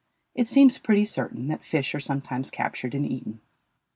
It seems pretty certain that fish are sometimes captured and eaten.